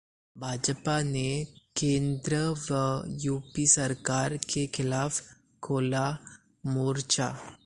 भाजपा ने केंद्र व यूपी सरकार के खिलाफ खोला मोर्चा